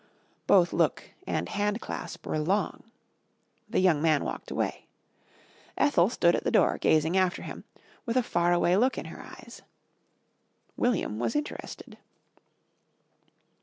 Both look and handclasp were long. The young man walked away. Ethel stood at the door, gazing after him, with a far away look in her eyes. William was interested.